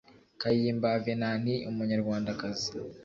kayimba venantie umunyarwandakazi